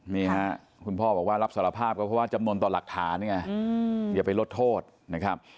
นี่ฮะคุณพ่อบอกว่ารับสารภาพก็เพราะว่าจำนวนต่อหลักฐานไงอย่าไปลดโทษนะครับ